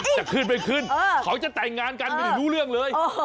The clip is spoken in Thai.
จะขึ้นไม่ขึ้นเขาจะแต่งงานกันไม่ได้รู้เรื่องเลย